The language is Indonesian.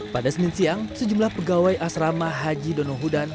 pada senin siang sejumlah pegawai asrama haji donohudan